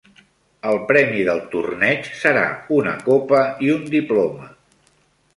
El premi del torneig serà una copa i un diploma.